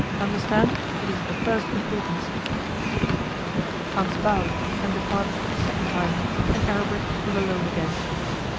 Understand, it is of the first importance.' Hans bowed, and departed for the second time, and Aribert was alone again.